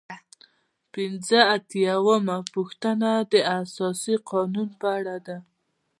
پنځه اتیا یمه پوښتنه د اساسي قانون په اړه ده.